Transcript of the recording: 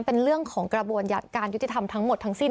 เป็นเรื่องของกระบวนยัติการยุติธรรมทั้งหมดทั้งสิ้น